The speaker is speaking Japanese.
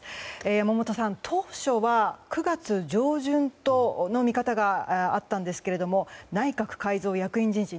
山本さん、当初は９月上旬との見方があったんですが内閣改造、役員人事